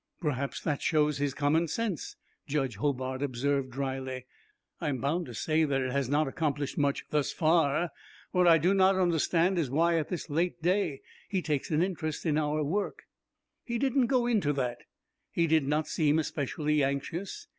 "Perhaps that shows his common sense," Judge Hobart observed dryly. "I am bound to say that it has not accomplished much thus far. What I do not understand is why at this late day he takes an interest in our work." "He did n't go into that. He did not seem especially anxious.